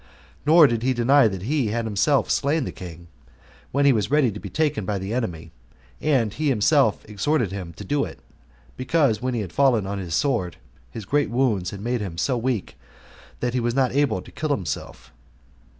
Nor did he deny that he had himself slain the king, when he was ready to be taken by the enemy, and he himself exhorted him to do it, because, when he was fallen on his sword, his great wounds had made him so weak that he was not able to kill himself.